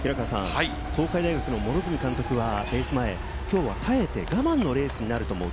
東海大学の両角監督はレース前、きょうは耐えて我慢のレースになると思う。